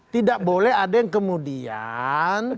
tidak boleh ada yang kemudian